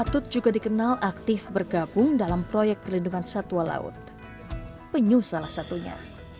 patut juga dikenal aktif bergabung dalam proyek perlindungan satwa laut penyu salah satunya